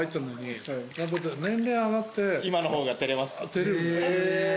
照れる。